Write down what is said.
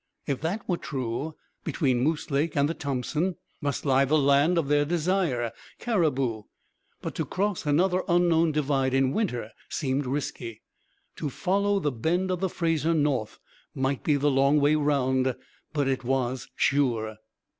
If that were true, between Moose Lake and the Thompson must lie the land of their desire, Cariboo; but to cross another unknown divide in winter seemed risky. To follow the bend of the Fraser north might be the long way round, but it was sure.